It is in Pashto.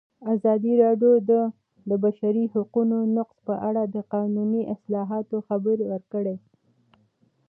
ازادي راډیو د د بشري حقونو نقض په اړه د قانوني اصلاحاتو خبر ورکړی.